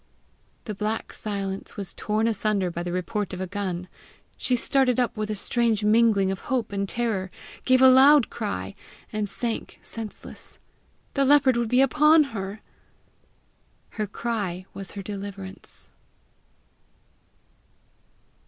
The black silence was torn asunder by the report of a gun. She started up with a strange mingling of hope and terror, gave a loud cry, and sank senseless. The leopard would be upon her! Her cry was her deliverance.